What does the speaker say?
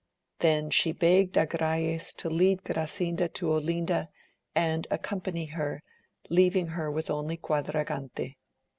She then begged Agrayes would lead Grasinda to Olinda and accompany her, leaving her with only Quadragante.